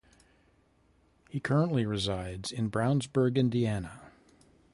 He currently resides in Brownsburg, Indiana.